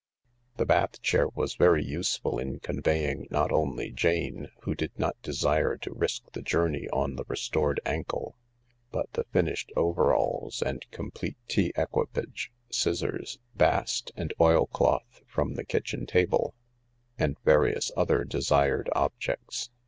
* The bath chair was very useful in conveying not only Jane— who did not desire to risk the journey on the restored ankle— but the finished overalls and complete tea equipage, scissors, bast, the oilcloth from the kitchen table, and' various other desired objects.